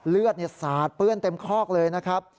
เลือดสาดเปื้อนเต็มคอกเลยนะครับ